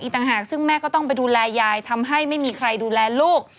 ต่างหากซึ่งแม่ก็ต้องไปดูแลยายทำให้ไม่มีใครดูแลลูก